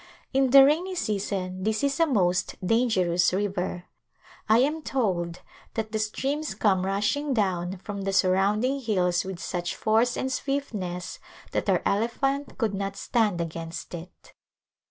In the rainy season this is a most danger ous river. I am told that the streams come rushing down from the surrounding hills with such force and swiftness that our elephant could not stand against it.